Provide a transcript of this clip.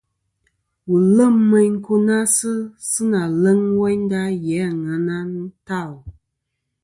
Wù lem meyn nkunasɨ sɨ na leŋ woynda ghì a aŋena ntal.